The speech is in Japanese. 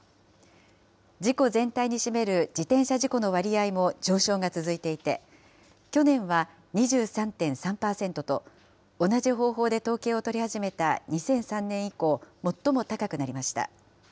事故全体に占める自転車事故の割合も上昇が続いていて、去年は２３．３％と、同じ方法で統計を取り始めた２００３年以降、最も高くなりました。